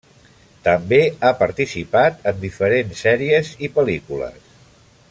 També ha participat en diferents sèries i pel·lícules.